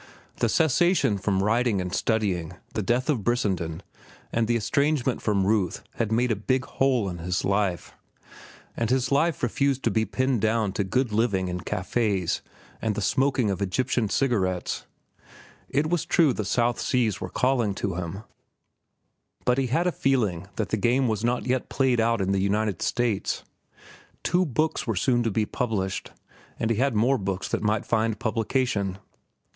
The cessation from writing and studying, the death of Brissenden, and the estrangement from Ruth had made a big hole in his life; and his life refused to be pinned down to good living in cafés and the smoking of Egyptian cigarettes. It was true the South Seas were calling to him, but he had a feeling that the game was not yet played out in the United States. Two books were soon to be published, and he had more books that might find publication.